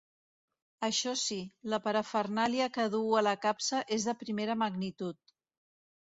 Això sí, la parafernàlia que duu a la capsa és de primera magnitud.